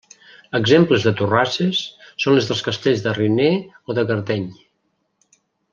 Exemples de torrasses són les dels castells de Riner o de Gardeny.